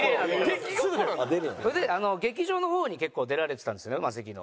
それで劇場の方に結構出られてたんですねマセキの。